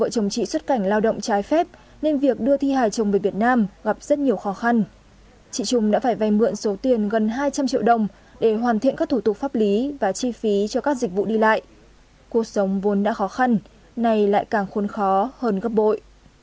vợ chồng đã phải vay mượn số tiền gần hai trăm linh triệu đồng để hoàn thiện các thủ tục pháp lý và chi phí cho các dịch vụ đi lại cuộc sống vốn đã khó khăn nay lại càng khôn khó hơn gấp bội